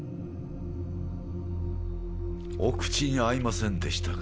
お口に合いませんでしたか？